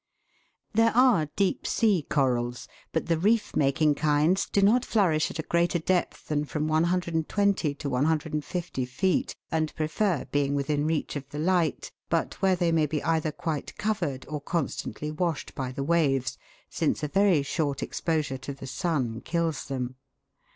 There are deep sea corals, but the reef making kinds do not flourish at a greater depth than from 120 to 150 feet, and prefer being within reach of the light, but where they may be either quite covered or constantly washed by the waves, since a very short exposure to the sun kills them.